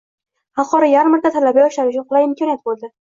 Xalqaro yarmarka talaba-yoshlar uchun qulay imkoniyat bo‘ldi